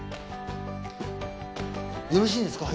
よろしいんですか？